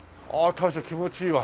大将気持ちいいわ。